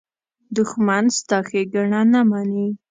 دښمن ستا ښېګڼه نه مني